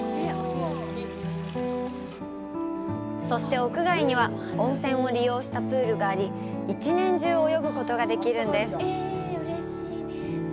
そして屋外には温泉を利用したプールがあり１年中泳ぐことができるんです。